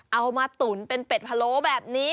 เอามาตุ๋นเป็นเป็ดพะโลแบบนี้